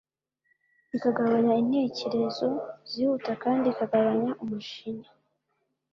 ikagabanya intekerezo zihuta kandi ikagabanya umujinya